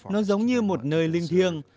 nó giống như một nơi linh thiêng